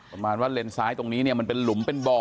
ประมาณว่าเลนซ้ายตรงนี้เนี่ยมันเป็นหลุมเป็นบ่อ